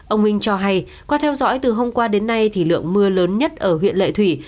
ông minh cho hay qua theo dõi từ hôm qua đến nay thì lượng mưa lớn nhất ở huyện lệ thủy